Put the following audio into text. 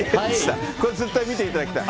これ絶対、見ていただきたい。